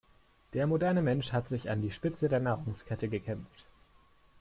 Der moderne Mensch hat sich an die Spitze der Nahrungskette gekämpft.